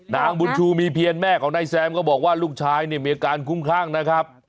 นางบุญชูมีเพียรแม่ของนายแซมก็บอกว่าลูกชายเนี่ยมีอาการคุ้มคลั่งนะครับ